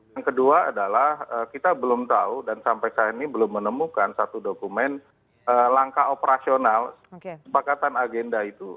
yang kedua adalah kita belum tahu dan sampai saat ini belum menemukan satu dokumen langkah operasional sepakatan agenda itu